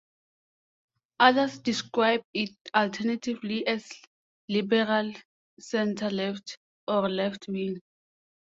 Others describe it alternatively as liberal centre-left, or left-wing.